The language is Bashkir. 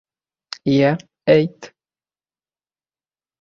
Йә, әйт?..